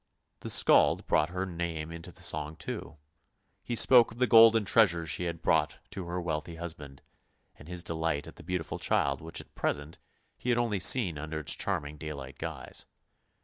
The Skald brought her name into the song too; he spoke of the golden treasure she had brought to her wealthy husband, and his delight at the beautiful child which at present 282 ANDERSEN'S FAIRY TALES he had only seen under its charming daylight guise.